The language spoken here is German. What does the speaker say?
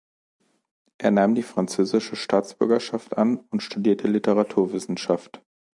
Er nahm die französische Staatsbürgerschaft an und studierte Literaturwissenschaft.